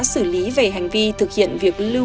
xử lý về hành vi thực hiện việc lưu